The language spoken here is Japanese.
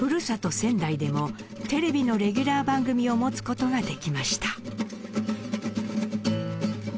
仙台でもテレビのレギュラー番組を持つ事ができました。